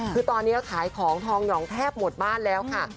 คือตอนนี้ขายของทองหยองแทบหมดบ้านแล้วค่ะ